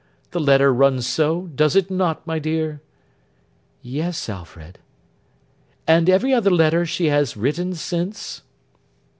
The letter runs so, does it not, my dear?' 'Yes, Alfred.' 'And every other letter she has written since?